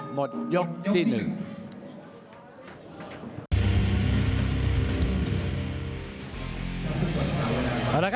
หมดยกที่หนึ่ง